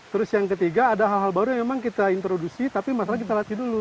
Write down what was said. terus yang ketiga ada hal hal baru yang memang kita introduksi tapi masalahnya kita latih dulu